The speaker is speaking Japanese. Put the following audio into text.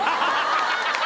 ハハハハ！